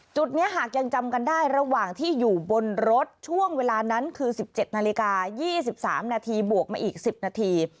จุดนี้หากยังจำกันได้ระหว่างที่อยู่บนรถช่วงเวลานั้นคือ๑๗นาฬิกา๒๓นาทีบวกมาอีก๑๐นาที